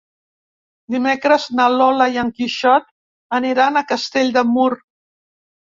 Dimecres na Lola i en Quixot aniran a Castell de Mur.